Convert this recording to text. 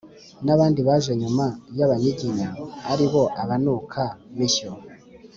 n'abandi baje nyuma y'abanyiginya, ari bo abanukamishyo